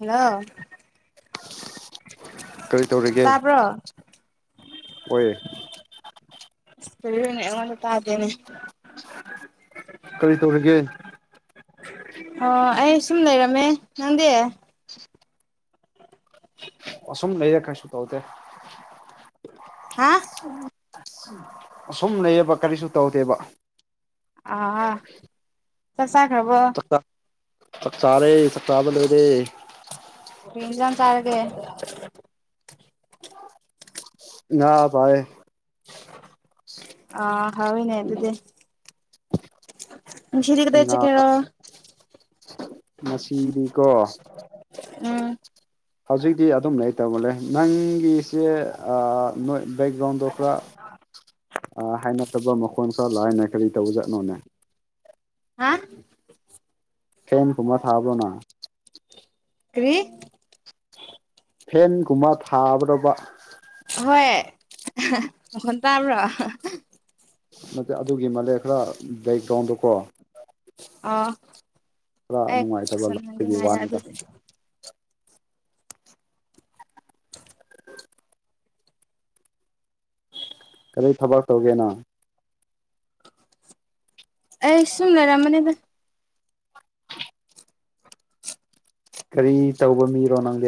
hello ꯀꯔꯤ ꯇꯧꯔꯤꯒꯦ ꯇꯥꯕ꯭ꯔꯣ ꯍꯣꯌ ꯑꯦ [unintelligible] ꯀꯔꯤ ꯇꯧꯔꯤꯒꯦ ꯑꯣ ꯑꯩ ꯁꯨꯝ ꯂꯩꯔꯝꯃꯦ ꯅꯪꯗꯤ ꯑ ꯁꯨꯝ ꯂꯔ ꯀꯥꯏꯁꯨꯨ ꯀꯧ ꯇ ꯍꯥ ꯑꯁꯨꯝ ꯂꯩꯌꯦꯕ ꯀꯔꯤꯁꯨ ꯇꯧꯗꯦꯕ ꯑꯥ ꯆꯥꯛ ꯆꯈꯔ꯭ꯕꯣ ꯆꯥꯛ ꯆꯥꯛ ꯆꯔꯦ ꯆꯥꯛ ꯆꯥꯕꯥ ꯂꯣꯏꯔꯦ ꯍꯦꯟꯖꯥꯡ ꯆꯔꯥꯒꯦ ꯉ ꯄꯥꯏ ꯑ ꯍꯥꯎꯅꯦ ꯑꯗꯨ ꯑꯗꯨꯗꯤ ꯉꯁꯤꯗꯤ ꯀꯗꯥꯏ ꯉ ꯆꯠꯀꯦꯔꯣ ꯃꯁꯤꯗꯤꯀꯣ ꯎꯝ ꯍꯧꯖꯤꯛꯇꯤ ꯑꯗꯨꯝ ꯂꯩꯇꯃꯅꯦ ꯅꯪꯒꯤꯁꯦ ꯅꯣꯏ ꯕꯦꯛꯒ꯭ꯔꯥꯎꯟꯗꯣ ꯈꯔ ꯑ ꯍꯥꯏꯅꯗꯕ ꯃꯈꯣꯟ ꯈꯔ ꯂꯥꯏꯅꯦ ꯀꯔꯤ ꯇꯧꯕ ꯆꯠꯅꯣꯅꯦ ꯍꯥ ꯐꯦꯟ ꯀꯨꯝꯕ ꯊꯕ꯭ꯔꯣꯅ ꯀ꯭ꯔꯤ ꯐꯦꯟꯒꯨꯝꯕ ꯊꯥꯕ꯭ꯔꯕ ꯍꯣꯏ [unintelligible] ꯅꯠꯇꯦ ꯑꯗꯨꯒꯤ ꯃꯥꯂꯦ ꯈꯔ ꯕꯦꯛꯒ꯭ꯔꯥꯎꯟꯗꯀꯣ ꯑ ꯈꯔ ꯑꯦ ꯅꯨꯡꯉꯥꯏꯇꯕ ꯂꯥꯛꯄꯒꯤ ꯌꯥ ꯋꯥꯅꯤꯗ ꯑꯗꯨꯗꯤ ꯀꯔꯤꯏ ꯊꯕꯛ ꯇꯧꯒꯦꯅꯣ ꯑꯦ ꯁꯨꯝꯅꯔꯥꯃꯅꯦꯗ ꯀꯔꯤ ꯇꯧꯕ ꯃꯤꯔꯣ ꯅꯪꯒꯤ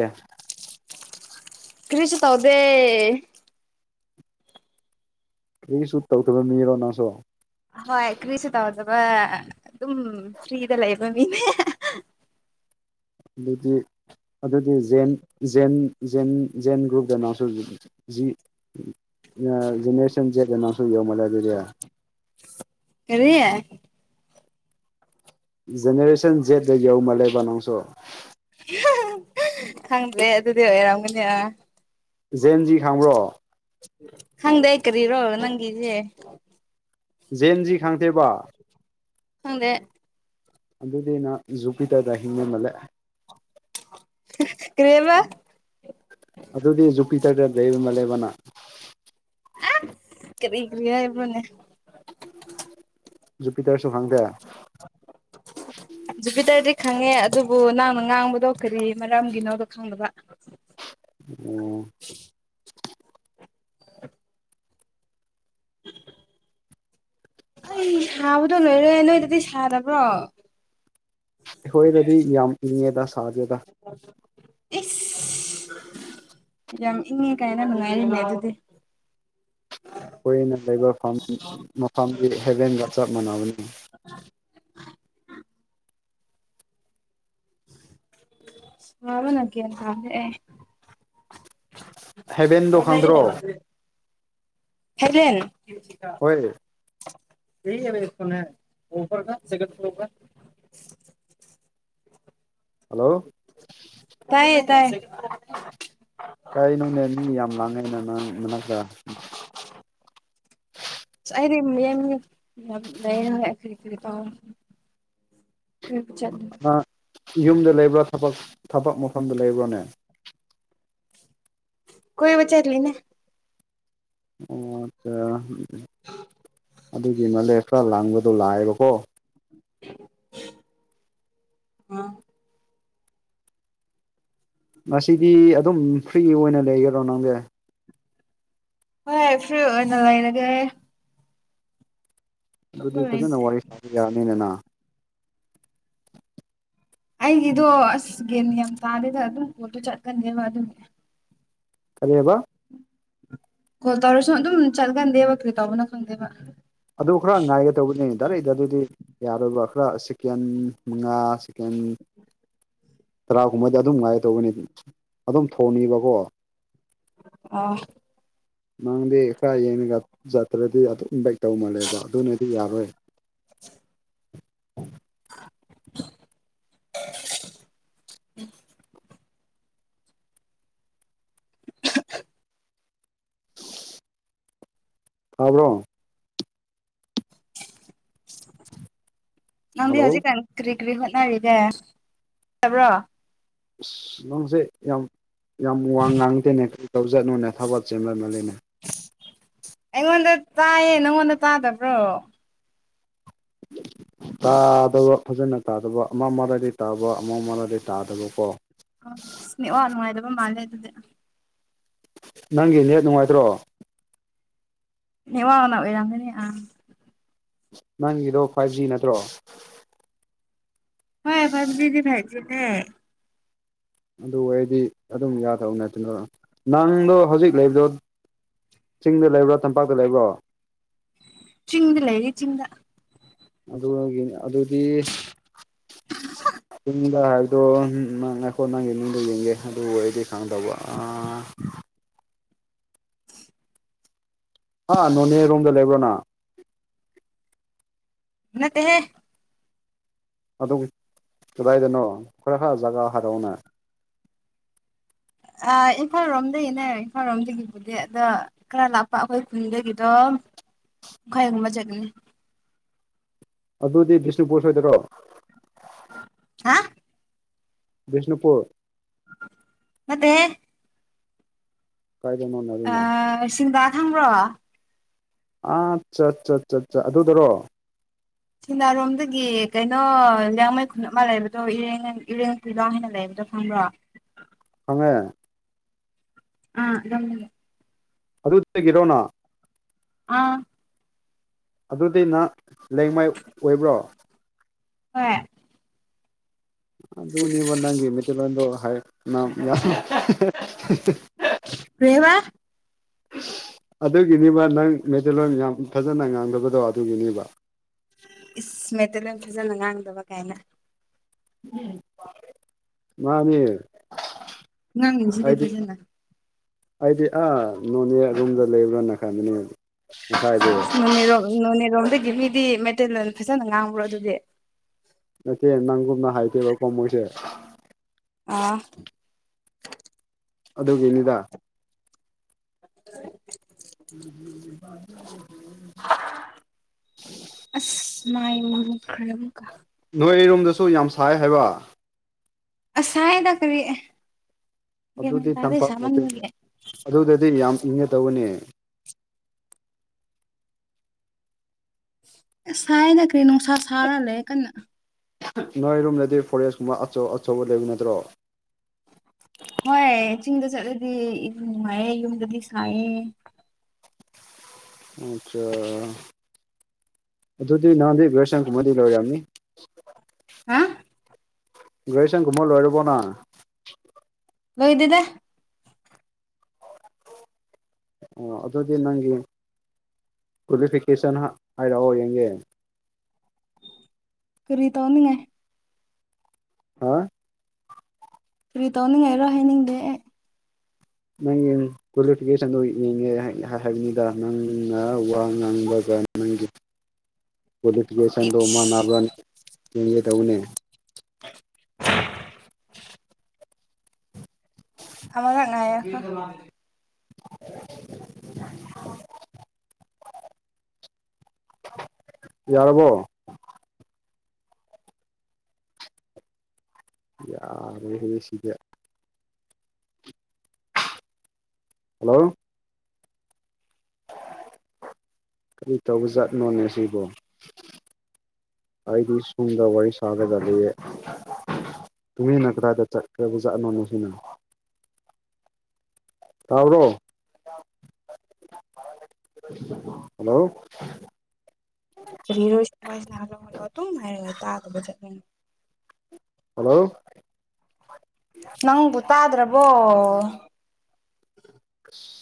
ꯀ꯭ꯔꯤꯁ ꯇꯥꯎꯗꯦ ꯀꯒꯤꯁꯨ ꯇꯧꯗꯕ ꯃꯤꯔꯣ ꯅꯁꯨ ꯍꯣꯏ ꯀ꯭ꯔꯤꯁꯨꯦ ꯇꯧꯖꯕ ꯑꯗꯨꯝ ꯐ꯭ꯔꯤꯗ ꯂꯩꯕ ꯃꯤꯅꯦ ꯑꯗꯒꯤ ꯑꯗꯨꯗꯤ ꯖꯦꯟꯖꯦꯟꯖꯦꯟ ꯖꯦꯟ ꯒ꯭ꯔꯨꯞꯇꯅꯁꯨ ꯖꯤ ꯖꯦꯅꯦꯔꯦꯁꯟ ꯖꯦꯠ ꯑꯅꯥꯁꯨ ꯌꯧꯃꯜꯂꯦ ꯑꯗꯨꯗꯤ ꯀꯔꯤ ꯖꯦꯅꯦꯔꯦꯁꯟ ꯖꯦꯗ ꯌꯧꯃꯜꯂꯦꯕ ꯅꯪꯁꯨ ꯈꯪꯗ꯭ꯔꯦ ꯑꯗꯨꯗꯤ ꯑꯣꯏꯔꯝꯒꯅꯤ ꯖꯦꯟꯖꯤ ꯈꯥꯡꯕ꯭ꯔꯣ ꯍꯪꯗꯏꯀꯔꯤꯔꯣ ꯅꯪꯗꯦ ꯖꯦꯟꯖꯤ ꯈꯥꯡꯗꯦꯕ ꯍꯗꯦ ꯑꯗꯨꯗꯤꯅ ꯖꯨꯄꯤꯇꯔꯗ ꯍꯤꯡꯉꯃꯜꯂꯦ ꯀ꯭ꯔꯦꯃ ꯑꯗꯨꯗꯤ ꯖꯄꯤ ꯇꯗ ꯃ ꯂꯩꯦꯕꯅ ꯑ ꯏ ꯀꯔꯤ ꯏꯒꯔꯤ ꯏ꯭ꯔꯅꯦ ꯖꯨꯄꯤꯇꯔꯁꯨ ꯈꯪꯗꯦ [inaudible] ꯖꯨꯄꯤꯇꯔꯗꯤ ꯈꯪꯉꯦ ꯑꯗꯨꯕꯨ ꯅꯪꯅ ꯉꯥꯡꯕꯗꯣ ꯀꯔꯤ ꯃꯔꯝꯒꯤꯅꯣꯗꯣ ꯈꯪꯗꯕ [inaudible] ꯑꯣꯝ ꯍ [inaudible] ꯑꯩ ꯁꯥꯕꯗꯣ ꯂꯣꯏꯔꯣꯏ ꯅꯣꯏꯗꯗꯤ ꯁꯥꯗꯕ꯭ꯔꯣ ꯑꯩꯈꯣꯏꯗꯗꯤ ꯌꯥꯝ ꯏꯪꯉꯦꯗ ꯁꯥꯔꯖꯦꯗ ꯏꯁ ꯌꯥꯝ ꯏꯪꯉꯦ ꯀꯥꯏꯅ ꯅꯨꯡꯉꯥꯏꯔꯤꯃꯦ ꯑꯗꯨꯗꯤ ꯀꯨꯏꯅ ꯂꯩꯕ ꯃꯐꯝꯗꯤ ꯍꯦꯕꯦꯟꯒ ꯆꯞ ꯃꯥꯟꯅꯕꯅꯤ ꯋꯥꯕꯅ ꯀꯦ ꯇ ꯑꯦ ꯍꯦꯚꯦꯟꯗꯣ ꯈꯪꯗ꯭ꯔꯣ ꯍꯦꯚꯦꯟ ꯍꯣꯏ ꯊ ꯁꯅ ꯑꯣꯐꯔ ꯀ ꯒꯠ ꯐ꯭ꯂꯣꯔ ꯍꯜꯂꯣ ꯇꯌꯦ ꯇꯥꯏꯌꯦ ꯀꯩꯅꯣꯅꯦ ꯃꯤ ꯌꯥꯝ ꯂꯥꯡꯉꯦꯅ ꯅꯪ ꯃꯅꯥꯛꯛꯇ [inaudible] ꯑ ꯑꯩꯗꯤ ꯌꯦ ꯂꯩꯔꯔꯤ ꯀꯔꯤ ꯇꯧ ꯀꯣꯏꯕꯨ ꯆꯠ ꯌꯨꯝꯗ ꯂꯩꯕ꯭ꯔꯥ ꯊꯕꯛ ꯊꯕꯛ ꯃꯐꯝꯗ ꯂꯩꯕ꯭ꯔꯣꯅꯦ ꯀꯣꯏ ꯆꯦꯔꯤꯅꯦ ꯑꯣ ꯑꯠꯆꯥ ꯑꯗꯨꯒꯤ ꯃꯂꯦꯛ ꯈꯔ ꯂꯥꯡꯕꯗꯣ ꯂꯥꯛꯑꯦꯕꯀꯣ ꯑ ꯉꯁꯤꯗꯤ ꯑꯗꯨꯝ ꯐ꯭ꯔꯤ ꯑꯣꯏꯅ ꯂꯩꯈꯔꯣ ꯅꯪꯁ ꯍꯣꯏ ꯐ꯭ꯔꯤ ꯑꯣꯏꯅ ꯂꯩꯔꯒꯦ ꯑꯇꯣꯞꯄ ꯑꯗꯨꯗꯤ ꯐꯖꯅ ꯂꯩꯇꯦ ꯋꯥꯔꯤ ꯁꯥꯕ ꯌꯥꯔꯅꯤꯅꯅ ꯑꯩꯒꯤꯗꯣ ꯑꯁ ꯌꯦꯒꯦꯟ ꯌꯥꯝ ꯇꯥꯗꯦꯗ ꯑꯗꯨꯝ ꯄꯣꯠꯇꯣ ꯆꯠꯀꯅꯦꯕ ꯑꯗꯨꯝ ꯀꯔꯤꯕ ꯀꯣꯜ ꯇꯧꯔꯁꯨ ꯑꯗꯨꯝ ꯆꯠꯒꯟꯗꯦꯕ ꯀꯩ ꯇꯧꯕꯅ ꯈꯪꯗꯦꯕ ꯑꯗꯨ ꯈꯔ ꯉꯥꯏꯒꯦ ꯇꯧꯕꯅꯤ ꯗꯥꯔꯩꯗ ꯑꯗꯨꯗꯤ ꯌꯥꯔꯣꯏꯕ ꯈꯔ ꯆꯤꯀꯦꯟ ꯃꯉꯥ ꯆꯤꯀꯦꯟ ꯇꯔꯥꯒꯨꯝꯕꯗꯤ ꯑꯗꯨꯝ ꯉꯥꯏ ꯇꯧꯕꯅꯤ ꯑꯗꯨꯝ ꯊꯣꯡꯅꯤꯕꯀꯣ ꯑꯥ ꯅꯪꯗꯤ ꯈꯔ ꯌꯦꯡꯉꯒ ꯆꯠꯇ꯭ꯔꯗꯤ ꯑꯗꯨ ꯏꯟꯚꯥꯏꯠ ꯇꯧ ꯃꯥꯜꯂꯦꯕ ꯑꯗꯨꯅꯗꯤ ꯌꯥꯔꯣꯏ ꯎꯝ ꯊꯥꯕ꯭ꯔꯣ ꯅꯪꯗꯤ ꯍꯜꯂꯣ ꯍꯧꯖꯤꯛꯀꯥꯟ ꯀꯔꯤ ꯀꯔꯤ ꯍꯣꯠꯅꯔꯤꯒꯦꯕ꯭ꯔꯣ ꯑꯁ ꯅꯪꯁꯦ ꯌꯥꯝ ꯌꯥꯝ ꯋꯥ ꯉꯥꯡꯗꯦꯅꯦ ꯀꯔꯤ ꯇꯧꯖꯠꯅꯣꯅꯦ ꯊꯕꯛ ꯆꯦꯟꯍꯕ ꯂꯩꯅꯦ ꯑꯩꯉꯣꯟꯗ ꯇꯥꯏꯌꯦ ꯅꯪꯉꯣꯟꯗ ꯇꯥꯗꯕ꯭ꯔꯣ [unintelligible] ꯇꯥꯗꯕ ꯐꯖꯅ ꯇꯥꯗꯕ ꯑꯃ ꯃꯔꯥꯗ ꯇꯥꯕ ꯑꯃ ꯃꯔꯗꯤ ꯇꯥꯗꯕꯀꯣ ꯑ ꯏꯁꯅꯤꯋꯥ ꯅꯨꯡꯉꯥꯏꯗꯕ ꯃꯥꯜꯂꯦ ꯑꯗꯨꯗꯤ ꯅꯪꯒꯤ ꯅꯦꯠ ꯅꯨꯡꯉꯥꯏꯇ꯭ꯔꯣ ꯏ ꯋꯥꯅ ꯑꯣꯏꯔꯝꯅꯤ ꯅꯪꯒꯤꯗꯣ ꯐꯥꯏꯚ ꯖꯤ ꯅꯠꯇ꯭ꯔꯣ ꯍꯣꯏ ꯐꯕꯤꯗꯤ ꯍꯥꯏꯥꯏꯁꯤꯅꯦ ꯑꯗꯨ ꯑꯣꯏꯗꯤ ꯑꯗꯨꯝ ꯌꯥꯗꯕ ꯅꯠꯇꯅ ꯅꯪꯗꯣ ꯍꯧꯖꯤꯛ ꯂꯩꯕꯗꯣ ꯆꯤꯡꯗ ꯂꯩꯕ꯭ꯔꯣ ꯇꯝꯄꯥꯛꯇ ꯂꯩꯕ꯭ꯔꯣ ꯆꯤꯡꯗ ꯂꯩꯔꯤ ꯆꯤꯡꯗ ꯑꯗꯨꯒꯤꯅꯤ ꯑꯗꯨꯗꯤ ꯁꯨꯝ ꯂꯥ ꯍꯥꯏꯕꯗꯣ ꯅꯪ ꯑꯩꯈꯣꯏ ꯅꯪꯒꯤ ꯃꯤꯗ ꯌꯦꯡꯒꯦ ꯑꯗꯨꯕꯨ ꯑꯩꯗꯤ ꯈꯪꯗꯕ ꯍꯥ ꯅꯣꯅꯦ ꯔꯣꯝꯗ ꯂꯩꯕ꯭ꯔꯣꯅ ꯃꯠꯇꯦ ꯍꯦ ꯑꯗꯨ ꯀꯗꯥꯏꯗꯅꯣ ꯈꯔ ꯈꯔ ꯖꯒꯥ ꯍꯥꯏꯔꯛꯑꯣꯅ ꯑ ꯏꯝꯐꯥꯜꯔꯣꯝꯗꯒꯤꯅꯦ ꯏꯝꯐꯥꯜ ꯂꯣꯝꯗꯒꯤꯕꯨꯗꯤ ꯑꯗ ꯈꯔ ꯂꯥꯛꯄ ꯑꯩꯈꯣꯏ ꯈꯨꯟꯗꯒꯤꯗꯣ ꯃꯈꯥꯏꯒꯨꯝꯕ ꯆꯠꯅꯤ ꯑꯗꯨꯗꯤ ꯕꯤꯁꯅꯨꯄꯨꯔ ꯁꯣꯏꯗꯔꯣ ꯍꯥ ꯕꯤꯁꯅꯨꯄꯨꯔ ꯃꯦ ꯀꯥꯏꯗ ꯃꯣꯅ ꯁꯤꯡꯒꯥ ꯊꯪꯕ꯭ꯔꯣ ꯑꯠꯆꯥ ꯑꯠꯆꯥ ꯑꯠ ꯑꯠ ꯑꯗꯨꯗꯔꯣ ꯁꯦꯟꯅꯥꯔꯣꯝꯗꯒꯤ ꯀꯩꯅꯣ ꯌꯥꯡꯃꯩ ꯈꯨꯟ ꯑꯃ ꯂꯩꯕꯗꯣ ꯏꯔꯦꯡ ꯏꯔꯦꯡ ꯀꯨꯂꯥꯎ ꯍꯥꯏꯅ ꯂꯩꯕꯗꯣ ꯈꯪꯕ꯭ꯔꯣ ꯐꯉꯃꯦ ꯑꯥ ꯑꯗꯨꯝ ꯑꯗꯨꯒꯤꯔꯣꯅ ꯑꯥ ꯑꯗꯨꯗꯤ ꯅꯍꯥꯛ ꯂꯩꯦꯡꯃꯥꯏ ꯑꯣꯏꯕ꯭ꯔꯣ ꯑ ꯑꯗꯨ ꯑꯗꯨꯅꯤꯕ ꯅꯪꯒꯤ ꯃꯦꯊꯜꯗꯣ ꯍꯥꯏ ꯌꯥ ꯀꯦꯕ ꯑꯗꯨꯒꯤꯅꯦꯕ ꯅꯪ ꯃꯦꯗꯜꯂꯣꯟ ꯌꯥꯝ ꯐꯖꯅ ꯉꯥꯡꯗꯕꯗꯣ ꯑꯗꯨꯒꯤꯅꯦꯕ ꯏꯁ ꯃꯦꯇꯜ ꯌꯥꯝ ꯐꯖꯅ ꯉꯥꯡꯗꯕ ꯀꯥꯏꯅ ꯃꯥꯅꯤ ꯑꯩꯗꯤ ꯅꯪꯁꯤꯗꯕꯖ ꯑꯩꯗꯤ ꯑꯥ ꯅꯣꯅꯦ ꯑꯗꯨꯨꯝꯗ ꯂꯩꯕ꯭ꯔꯥꯅ ꯈꯟꯕꯅꯦ ꯉꯥꯏꯗ ꯅꯣꯅꯦꯔꯣꯝ ꯅꯣꯅꯦꯔꯣꯝꯗꯒꯤ ꯃꯤꯗꯤ ꯃꯦꯇꯔꯤ ꯐꯖꯅ ꯉꯥꯡꯕ꯭ꯔꯣ ꯑꯗꯨꯗꯤ ꯅꯠꯇꯦ ꯅꯪꯒꯨꯝꯅ ꯍꯥꯏꯗꯦꯕ ꯀꯣꯃꯣꯏꯁꯦ ꯑꯥ ꯑꯗꯨꯒꯤꯅꯤꯗ ꯎ ꯎꯝ ꯑꯁ ꯃꯥꯏ ꯃ ꯈꯔꯨ ꯀ ꯅꯣꯏ ꯑꯩꯔꯣꯝꯗꯁꯨ ꯌꯥꯝ ꯁꯥꯏ ꯍꯥꯏꯕ ꯑꯁꯥꯏꯅ ꯀꯔꯤꯃ ꯑꯗꯨꯗꯤ ꯇꯗꯦ ꯇꯝꯄꯥꯛ ꯁꯃꯅ ꯅꯠꯇꯦ ꯃꯦ ꯑꯗꯨꯗꯗꯤ ꯌꯥꯝ ꯏꯪꯉꯦ ꯇꯧꯕꯅꯦ ꯑ ꯁꯥꯏꯅ ꯀꯔꯤ ꯅꯨꯡꯁꯥ ꯁꯥꯔꯂꯦ ꯀꯟꯅ ꯅꯣꯏꯔꯣꯝꯗꯗꯤ ꯐꯣꯔꯦꯁ ꯀꯨꯝꯕ ꯑꯆꯧ ꯑꯆꯧꯕ ꯂꯩꯕ ꯅꯠꯇ꯭ꯔꯣ ꯍꯣꯏ ꯆꯤꯡꯗ ꯆꯠꯂꯗꯤ ꯌꯥꯝ ꯅꯨꯡꯉꯥꯏꯌꯦ ꯌꯨꯝꯗꯗꯤ ꯁꯥꯏꯌꯦ ꯑꯆꯥ ꯑꯗꯨꯗꯨꯗꯤ ꯅꯍꯥꯟꯗꯤ [unintelligible] ꯍꯥ ꯒ꯭ꯔꯦꯖꯁꯟꯒꯨꯝꯕ ꯂꯣꯏꯔꯕꯣ ꯅ ꯂꯣꯏꯗꯦꯗ ꯑꯣ ꯑꯗꯨꯗꯤ ꯅꯪꯒꯤ ꯀ꯭ꯋꯥꯂꯤꯐꯤꯀꯦꯁꯟ ꯍꯥꯏꯔꯛꯑꯣ ꯌꯦꯡꯒꯦ ꯀꯔꯤ ꯇꯧꯅꯤꯡꯉꯥꯢ ꯍꯥ ꯀꯔꯤ ꯇꯧꯅꯤꯡꯉꯥꯏꯔꯣ ꯍꯥꯏꯅꯤꯡꯗꯦ ꯑꯦ ꯅꯪꯒꯤ ꯀ꯭ꯋꯥꯂꯤꯐꯤꯀꯦꯁꯟꯗꯨ ꯌꯦꯡꯒꯦ ꯍꯥꯏꯕꯅꯤꯗ ꯅꯪꯅ ꯋꯥ ꯉꯥꯡꯕꯒ ꯅꯪꯒꯤ ꯑꯩ ꯀ꯭ꯋꯥꯂꯤꯐꯤꯀꯦꯁꯟꯗꯣ ꯃꯥꯟꯅꯕ꯭ꯔ ꯌꯦꯡꯒꯦ ꯇꯧꯅꯦ [inaudible] [unintelligible] [inaudible] ꯌꯥꯔꯕꯣ ꯌꯥꯔꯦꯍꯦ ꯁꯤꯗꯤ ꯍꯜꯂꯣ ꯀꯔꯤ ꯇꯧꯕ ꯖꯥꯠꯅꯣꯅꯦ ꯁꯤꯕꯣ ꯑꯩꯗꯤ ꯁꯣꯝꯗ ꯋꯥꯔꯤ ꯁꯥꯒꯗꯕ ꯇꯨꯃꯤꯅ ꯀꯗꯥꯏꯗ ꯆꯠꯈ꯭ꯔꯕꯖꯠꯅꯣꯅꯣ ꯁꯤꯅ ꯇꯥꯕ꯭ꯔꯣ ꯍꯜꯂꯣ [unintelligible] ꯍꯜꯂꯣ ꯅꯪꯕꯨ ꯇꯥꯗ꯭ꯔꯕꯣ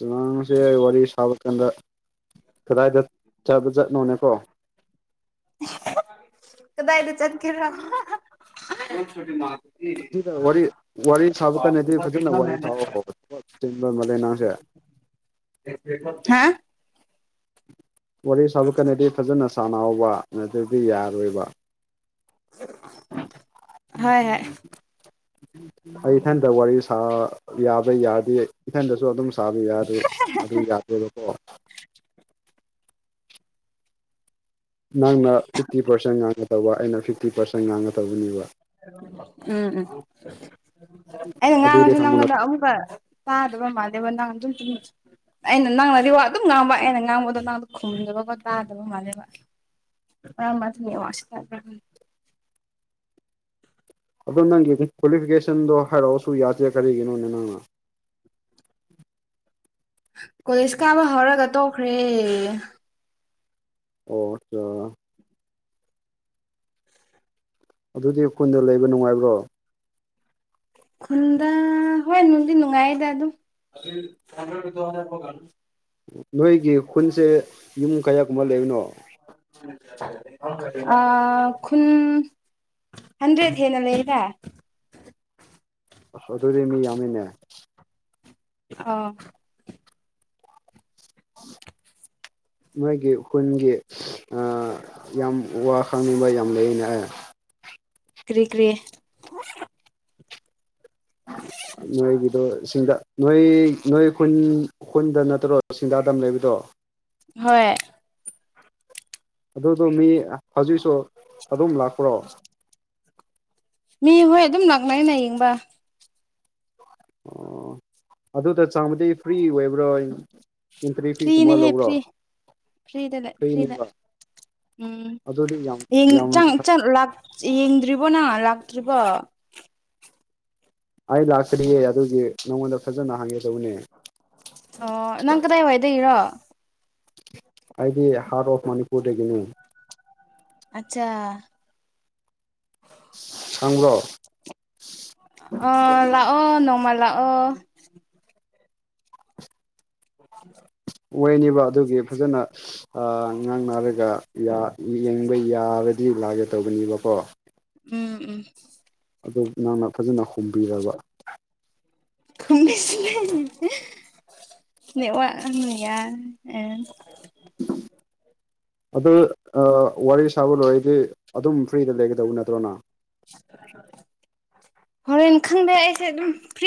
ꯅꯪꯁꯦ ꯋꯥꯔꯤ ꯁꯥꯕ ꯀꯥꯟꯗ ꯀꯗꯥꯏꯗ ꯆꯥꯕ ꯆꯠꯅꯣꯅꯦꯀꯣ ꯀꯗꯥꯏꯗꯤ ꯆꯠꯀꯦꯔ [inaudible] ꯁꯤꯗ ꯋꯥꯔꯤ ꯋꯥꯔꯤ ꯁꯥꯕ ꯀꯥꯟꯟꯅꯗꯤ ꯐꯖꯅ ꯋꯥꯔꯤ ꯁꯥꯎꯕ ꯊꯕꯛ ꯆꯤꯟꯕ ꯃꯥꯜꯂꯦ ꯅꯡꯁꯦ ꯍꯥ ꯋꯥꯔꯤ ꯁꯥꯕꯀꯥꯟꯗꯗꯤ ꯐꯖꯅ ꯁꯥꯟꯅꯍꯧꯕ ꯅꯠꯇ꯭ꯔꯗꯤ ꯌꯥꯔꯣꯏꯕ ꯍꯣꯏ ꯍꯣꯏ [inaudible] ꯑꯩ ꯏꯊꯟꯇ ꯋꯥꯔꯤ ꯁꯥ ꯌꯥꯕ ꯌꯥꯔꯗꯤ ꯏꯊꯟꯗꯁꯨ ꯑꯗꯨꯝ ꯁꯥꯕ ꯌꯥꯗꯦ ꯑꯗꯨ ꯌꯥꯗꯦꯕꯀꯣ [inaudible] ꯅꯪꯅ ꯐꯤꯐꯇꯤ ꯄꯥꯔꯁꯦꯟ ꯉꯥꯡꯒ ꯇꯧꯕ ꯑꯩꯅ ꯐꯤꯐꯇꯤ ꯄꯥꯔꯁꯦꯟ ꯉꯥꯡꯒ ꯇꯧꯕꯅꯦꯕ ꯎꯝ ꯎꯝ ꯑꯩꯅ ꯑꯗꯨꯗꯤ ꯉꯥꯡꯉꯁꯨ ꯈꯪꯕ ꯅꯪꯉꯣꯟꯗ ꯅꯠꯇ꯭ꯔꯣ ꯑꯃꯨꯛꯀ ꯇꯥꯗꯕ ꯃꯥꯜꯂꯦꯕ ꯅꯪ ꯑꯗꯨꯝ ꯇꯨꯝ ꯑꯩꯅ ꯅꯪꯅꯗꯤ ꯋꯥ ꯑꯗꯨꯝ ꯉꯥꯡꯕ ꯑꯩꯅ ꯉꯥꯡꯕꯗꯣ ꯅꯪꯗꯣ ꯈꯨꯝꯗꯕꯀꯣ ꯇꯥꯗꯕ ꯃꯥꯜꯂꯦꯕ [unintelligible] ꯑꯗꯣ ꯅꯪꯒꯤ ꯀ꯭ꯋꯥꯂꯤꯐꯤꯀꯦꯁꯟꯗꯣ ꯍꯥꯏꯔꯛꯑꯁꯨ ꯌꯥꯗꯦ ꯀꯔꯤꯒꯤꯅꯣꯅꯦ ꯅꯪꯅ ꯀꯣꯂꯦꯖ ꯀꯥꯕ ꯍꯧꯔꯒ ꯇꯣꯛꯈ꯭ꯔꯦ ꯑꯣ ꯆꯥ ꯑꯗꯨꯗꯤ ꯈꯨꯨꯟꯗ ꯂꯩꯕ ꯅꯨꯡꯉꯥꯏꯕ꯭ꯔꯣ ꯈꯨꯟꯗ ꯍꯣꯏ ꯅꯨꯡꯗꯤ ꯅꯨꯡꯉꯥꯏꯌꯦꯗ ꯑꯗꯨꯝ ꯅꯣꯏꯒꯤ ꯈꯨꯟꯁꯦ ꯌꯨꯝ ꯀꯌꯥ ꯀꯨꯝꯕ ꯂꯩꯕꯅꯣ ꯑꯥ ꯈꯨꯟ ꯍꯗ꯭ꯔꯦꯗ ꯍꯦꯟꯅ ꯂꯩꯌꯦꯗ ꯑꯁ ꯑꯗꯨꯗꯤ ꯃꯤ ꯌꯥꯝꯃꯤꯅꯦ ꯑꯥꯎ [inaudible] ꯅꯣꯏꯒꯤ ꯈꯨꯟꯒꯤ ꯑ ꯌꯥꯝ ꯋꯥ ꯈꯪꯅꯤꯡꯕ ꯌꯥꯝ ꯂꯩꯅꯦ ꯀ꯭ꯔꯤ ꯀ꯭ꯔꯤ ꯅꯣꯏꯒꯤꯗꯣ ꯁꯤꯡꯗ ꯅꯣꯏ ꯅꯣꯏ ꯈꯨꯟ ꯈꯨꯟꯗ ꯅꯠꯇ꯭ꯔꯣ ꯁꯤꯡꯗꯥ ꯗꯥꯝ ꯂꯩꯕꯗꯣ ꯍꯣꯏ ꯑꯗꯨꯗꯣ ꯃꯤ ꯍꯧꯖꯤꯛꯁꯨ ꯑꯗꯨꯝ ꯂꯥꯛꯄ꯭ꯔꯣ ꯃꯤ ꯍꯣꯏ ꯑꯗꯨꯝ ꯂꯥꯛꯅꯩꯅ ꯌꯦꯡꯕ ꯑꯣ ꯑꯗꯨꯗ ꯆꯥꯃꯗꯤ ꯐ꯭ꯔꯤ ꯑꯣꯏꯕ꯭ꯔꯣ ꯑꯦꯟꯇ꯭ꯔꯤ ꯐꯤꯒꯨꯝꯕ ꯐ꯭ꯔꯤꯅꯦꯍꯦ ꯂꯧꯕ꯭ꯔꯣ ꯐ꯭ꯔꯤ ꯐ꯭ꯔꯤꯗ ꯂꯩ ꯐ꯭ꯔꯤ ꯂꯩ ꯐ꯭ꯔꯤꯅꯤꯕ ꯑꯗꯨꯗꯤ ꯌꯥꯝ ꯎꯝ ꯌꯥꯝ ꯆꯪ ꯆꯪ ꯂꯥꯛ ꯌꯦꯡꯗ꯭ꯔꯤꯕꯣ ꯅꯪ ꯂꯥꯛꯇ꯭ꯔꯤꯕꯣ ꯑꯩ ꯂꯥꯛꯇ꯭ꯔꯤꯌꯦ ꯑꯗꯨꯒꯤ ꯅꯪꯉꯣꯟꯗ ꯐꯖꯅ ꯍꯥꯡꯒꯦ ꯇꯧꯕꯅꯦ ꯑꯣ ꯅꯪ ꯀꯗꯥꯏ ꯋꯥꯏꯗ ꯏꯔꯣ ꯑꯩꯗꯤ ꯍꯥꯔꯣꯐ ꯃꯅꯤꯄꯨꯔꯗꯒꯤꯅꯤ ꯑꯆꯥ ꯈꯪꯕꯔꯣ ꯑ ꯂꯥꯛꯑꯣ ꯅꯣꯡꯃꯥ ꯂꯥꯛꯑꯣ ꯑꯣ ꯑꯣꯏꯅꯤꯕ ꯑꯗꯨꯒꯤ ꯐꯖꯅ ꯉꯥꯡꯅꯔꯒ ꯌꯦꯡꯕ ꯌꯥꯔꯗꯤ ꯂꯥꯛꯒꯦ ꯇꯧꯕꯅꯦꯕꯀꯣ ꯎꯝ ꯎꯝ ꯑꯗꯨꯗ ꯅꯪꯅ ꯐꯖꯅ ꯍꯨꯝꯕꯤꯔꯕ ꯈꯣꯡꯕꯤꯁꯤꯅꯦ ꯅ ꯋꯥꯥꯛ [unintelligible] ꯑꯗꯨ ꯋꯥꯔꯤ ꯁꯥꯕ ꯂꯣꯏꯔꯗꯤ ꯑꯗꯨꯝ ꯐ꯭ꯔꯤꯗ ꯂꯩꯒꯗꯧꯕ ꯅꯠꯇ꯭ꯔꯣꯅ ꯍꯣꯔꯦꯟ ꯈꯪꯗꯦ ꯑꯩꯁꯦ ꯑꯗꯨꯝ ꯐ꯭ꯔꯤ